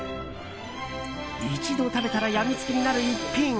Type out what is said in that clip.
一度食べたらやみつきになる逸品。